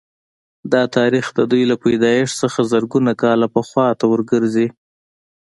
دا تاریخ د دوی له پیدایښت څخه زرګونه کاله پخوا ته ورګرځي